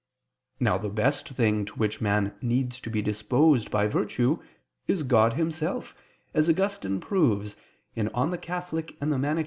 Now the best thing to which man needs to be disposed by virtue is God Himself, as Augustine proves (De Moribus Eccl.